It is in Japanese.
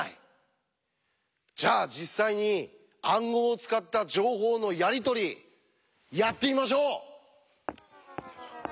じゃあ実際に暗号を使った情報のやり取りやってみましょう！